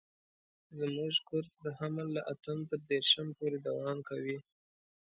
زموږ کورس د حمل له اتم تر دېرشم پورې دوام کوي.